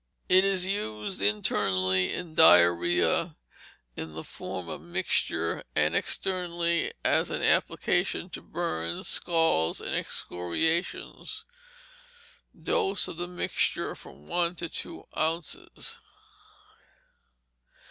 It is used internally in diarrhoea, in the form of mixture, and externally as an application to burns, scalds, and excoriations. Dose of the mixture, from one to two ounces.